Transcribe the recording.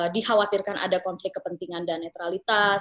dikhawatirkan ada konflik kepentingan dan netralitas